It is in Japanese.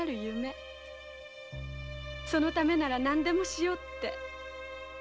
そのためならなんでもしようって。